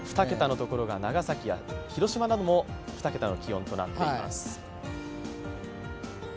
２桁のところが長崎や広島などとなっています。